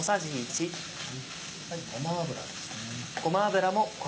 ごま油です。